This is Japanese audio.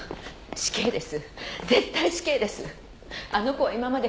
死刑です。